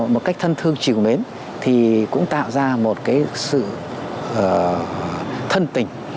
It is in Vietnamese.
một cách thân thương chiều mến thì cũng tạo ra một cái sự thân tình